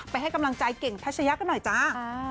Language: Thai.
ให้กำลังใจเก่งทัชยะกันหน่อยจ้า